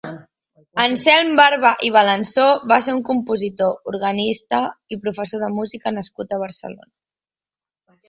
Anselm Barba i Balansó va ser un compositor, organista i professor de música nascut a Barcelona.